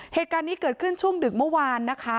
เหตุการณ์นี้เกิดขึ้นช่วงดึกเมื่อวานนะคะ